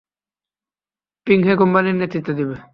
Ping He কোম্পানির নেতৃত্ব দেবে।